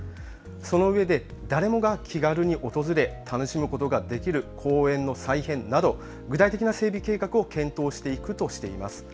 そのうえで誰もが気軽に訪れ、楽しむことができる公園の再編など具体的な整備計画を検討していくとしています。